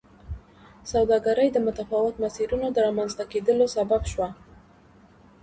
سوداګري د متفاوتو مسیرونو د رامنځته کېدو سبب شوه.